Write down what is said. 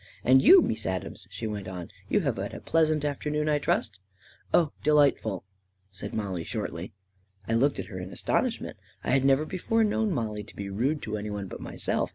"And you, Mees Adams," she went on, "you have had a pleasant afternoon, I trust? "" Oh, delightful !" said Mollie shortly. I looked at her in astonishment. I had never be fore known Mollie to be rude to anyone but myself.